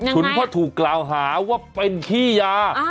เพราะถูกกล่าวหาว่าเป็นขี้ยา